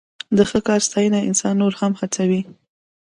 د ښه کار ستاینه انسان نور هم هڅوي.